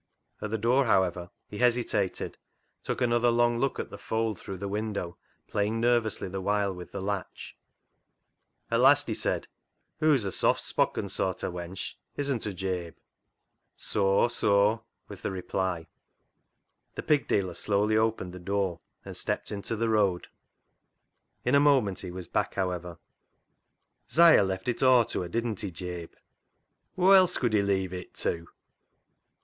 At the door, however, he hesitated, took another long look at the Fold through the window, playing nervously the while with the latch. At last he said —" Hoo's a soft spokken soart o' wench, isn't hoo, Jabe ?"" Soa, soa," was the reply. The pig dealer slowly opened the door and stepped into the road. In a moment he was back, however —" 'Siah left it aw to her, didn't he, Jabe ?"" Whoa else could he leave it tew